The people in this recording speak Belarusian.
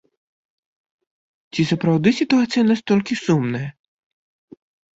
Ці сапраўды сітуацыя настолькі сумная?